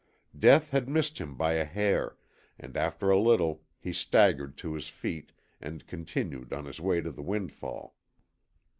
Death had missed him by a hair, and after a little he staggered to his feet and continued on his way to the windfall.